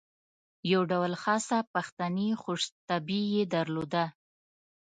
یو ډول خاصه پښتني خوش طبعي یې درلوده.